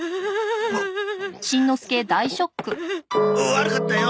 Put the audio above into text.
悪かったよ。